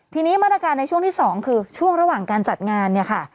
ทีนี้มาตรการในช่วงที่๒คือช่วงระหว่างการจัดงานเนี่ยค่ะ